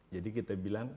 jadi kita bilang